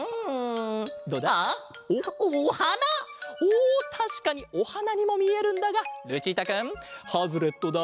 おおたしかにおはなにもみえるんだがルチータくんハズレットだ！